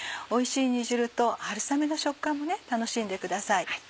おいしい煮汁と春雨の食感も楽しんでください。